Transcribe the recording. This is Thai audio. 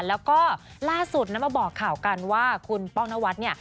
แล้วก็ล่าสุดนะมาบอกข่าวกันว่าคุณป้องนวัดเนี่ย